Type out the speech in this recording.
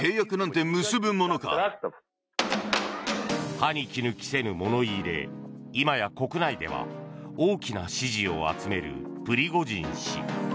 歯に衣着せぬ物言いで今や国内では大きな支持を集めるプリゴジン氏。